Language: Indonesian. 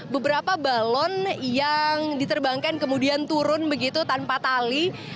beberapa balon yang diterbangkan kemudian turun begitu tanpa tali